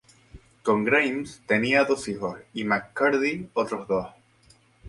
Con Grimes tenía dos hijos y con McCurdy otros dos.